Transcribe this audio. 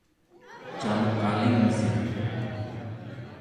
camek alingsit?